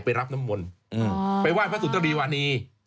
ไปรับน้ำมนต์ไปไหว้พระสุตรีวานี